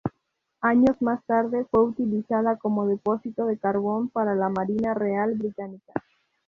Años más tarde fue utilizada como depósito de carbón para la Marina Real Británica.